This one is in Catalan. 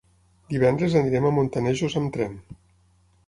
Divendres anirem a Montanejos amb tren.